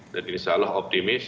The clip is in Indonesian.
dan insya allah optimis